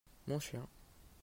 Mon chien.